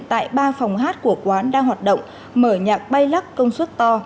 tại ba phòng hát của quán đang hoạt động mở nhạc bay lắc công suất to